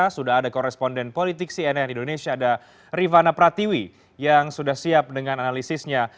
sudah ada koresponden politik cnn indonesia ada rifana pratiwi yang sudah siap dengan analisisnya